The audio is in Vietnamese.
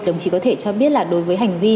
đồng chí có thể cho biết là đối với hành vi